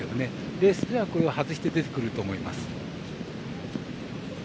レースでは、これを外して出てくると思います。